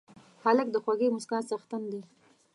هلک د خوږې موسکا څښتن دی.